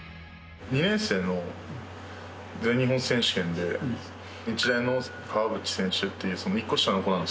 ２年生の全日本選手権で日大の川渕選手っていう１個下の子なんですけど。